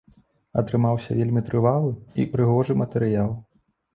Атрымаўся вельмі трывалы і прыгожы матэрыял.